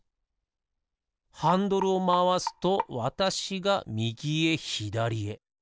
ハンドルをまわすとわたしがみぎへひだりへ。